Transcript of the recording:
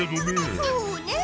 そうねえ。